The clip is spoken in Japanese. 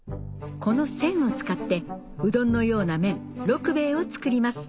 このせんを使ってうどんのような麺ろくべえを作ります